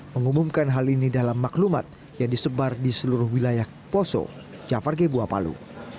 mengumumkan hal ini dalam maklumat yang disebar di seluruh wilayah poso jafar gebua palu